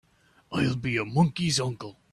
I'll be a monkey's uncle!